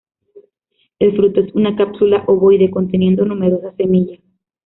El fruto es una cápsula ovoide, conteniendo numerosas semillas.